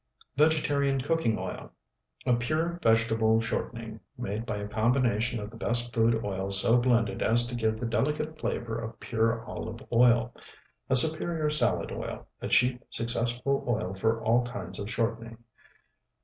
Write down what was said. Vegetarian Cooking Oil A pure vegetable shortening, made by a combination of the best food oils so blended as to give the delicate flavor of pure olive oil. A superior salad oil, a cheap, successful oil for all kinds of shortening.